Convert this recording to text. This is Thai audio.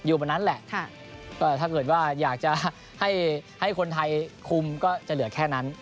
วันนั้นแหละก็ถ้าเกิดว่าอยากจะให้คนไทยคุมก็จะเหลือแค่นั้น